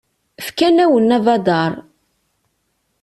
Fkan-awen abadaṛ.